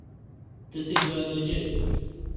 تسے گا لوجے°۔